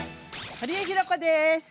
堀江ひろ子です。